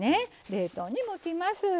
冷凍に向きます。